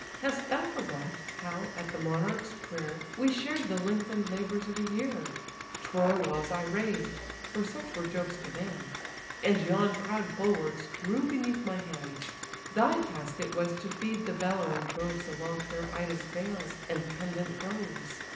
Hast thou forgot, how, at the monarch's prayer, We shared the lengthen'd labours of a year? Troy walls I raised (for such were Jove's commands), And yon proud bulwarks grew beneath my hands: Thy task it was to feed the bellowing droves Along fair Ida's vales and pendant groves.